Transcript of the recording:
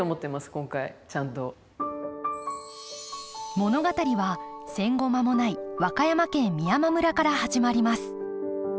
物語は戦後間もない和歌山県美山村から始まります。